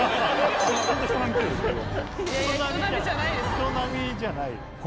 人並みじゃないよ。